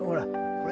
これ？